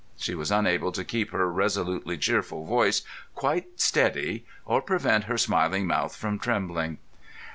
She was unable to keep her resolutely cheerful voice quite steady, or prevent her smiling mouth from trembling.